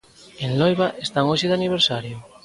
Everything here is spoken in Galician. En Loiba están hoxe de aniversario.